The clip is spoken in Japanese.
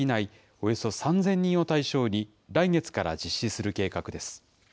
およそ３０００人を対象に、来月から実施する計画です。